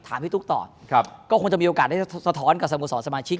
ถามพี่ตุ๊กต่อก็คงจะมีโอกาสได้สะท้อนกับสโมสรสมาชิก